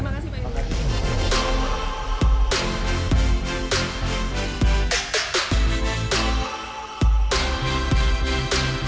makasih pak ya